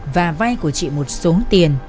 và vai của chị một số tiền